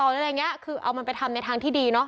หรืออะไรอย่างเงี้ยคือเอามันไปทำในทางที่ดีเนาะ